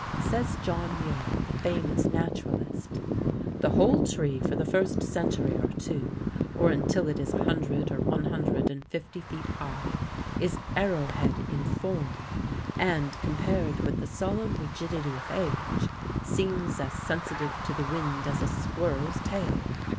Says John Muir, the famous naturalist: "The whole tree for the first century or two, or until it is a hundred or one hundred and fifty feet high, is arrowhead in form, and, compared with the solemn rigidity of age, seems as sensitive to the wind as a squirrel's tail.